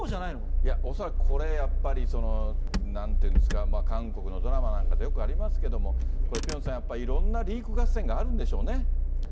いや、恐らく、これやっぱりなんていうんですが、韓国のドラマなんかでよくありますけど、これ、ピョンさん、やっぱりいろんなリーク合戦があるんでしょうね。